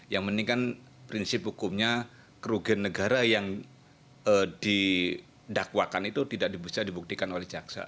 yang penting kan prinsip hukumnya kerugian negara yang didakwakan itu tidak bisa dibuktikan oleh jaksa